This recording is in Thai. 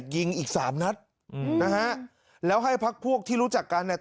ยิงอีกสามนัดอืมนะฮะแล้วให้พักพวกที่รู้จักกันเนี่ย